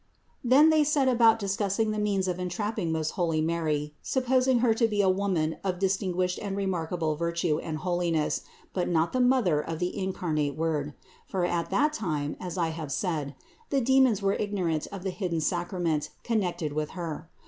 Then they set about discussing the means of entrapping most holy THE INCARNATION 261 Mary, supposing Her to be a woman of distinguished and remarkable virtue and holiness, but not the Mother of the incarnate Word ; for at that time, as I have said, the demons were ignorant of the hidden sacrament con nected with Her.